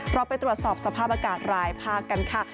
เราไปตรวจสอบสภาพอากาศรายภาคกันค่ะ